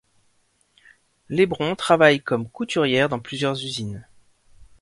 Lebrón travaille comme couturière dans plusieurs usines.